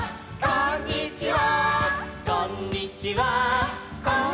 「こんにちは」「」